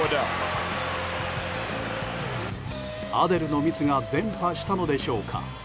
アデルのミスが伝播したのでしょうか。